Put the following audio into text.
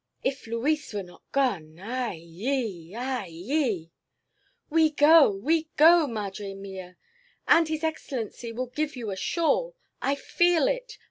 If Luis were not gone! Ay yi! Ay yi!" "We go, we go, madre mia! And his excellency will give you a shawl. I feel it!